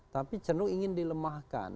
tapi cenderung ingin dilemahkan